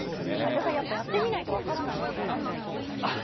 だからやってみないと分からないものだなと思いました。